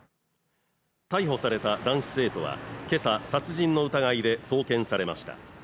逮捕された男子生徒は今朝殺人の疑いで送検されました